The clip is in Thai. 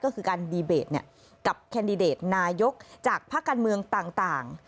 ก็คือการดีเบตกับแคนดิเดตนายกจากภาคการเมืองต่าง